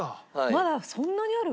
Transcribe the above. まだそんなにある？